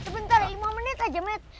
sebentar lima menit aja mat